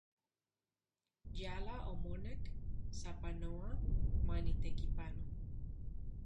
Yala omonek sapanoa manitekipano.